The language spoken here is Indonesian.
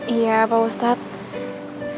iya pak ustadz